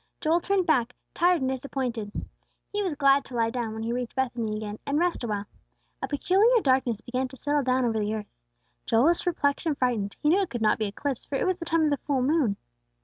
Joel turned back, tired and disappointed. He was glad to lie down, when he reached Bethany again, and rest awhile. A peculiar darkness began to settle down over the earth. Joel was perplexed and frightened; he knew it could not be an eclipse, for it was the time of the full moon.